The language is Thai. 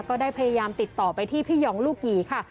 ก็ได้พยายามติดต่อไปที่พี่หองลูกหยี่ค่ะ